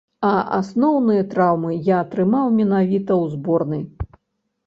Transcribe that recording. А асноўныя траўмы я атрымаў менавіта ў зборнай.